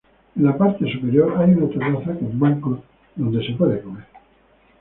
En la parte superior hay una terraza con bancos donde se puede comer.